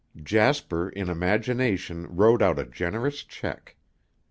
Jasper in imagination wrote out a generous check.